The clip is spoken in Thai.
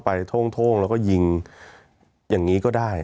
มีความรู้สึกว่ามีความรู้สึกว่า